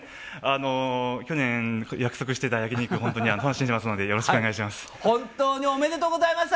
去年、約束してた焼き肉、本当に楽しみにしてますので、よろしくお願いします。